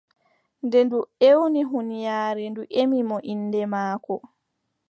Nden ndu ewni huunyaare ndu ƴemi mo innde maako.